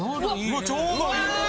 うわちょうどいい！